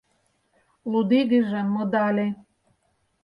Лудигыже модале